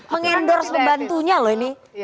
mengendorse pembantunya loh ini